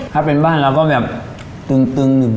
ถ้าเป็นบ้านแล้วก็แบบตึงหนึบ